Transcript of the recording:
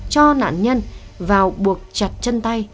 cho nạn nhân vào buộc chặt chân tay